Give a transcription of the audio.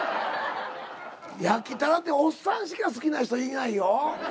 焼たらっておっさんしか好きな人いないよ。